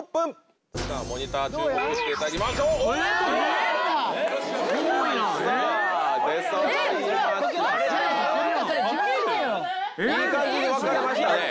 いい感じに分かれましたね。